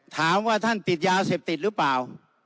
ถามว่าท่านติดยาเสพติดหรือเปล่า